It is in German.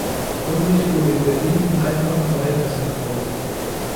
Ulbrich wurde in Berlin in einfachen Verhältnissen geboren.